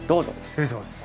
失礼します。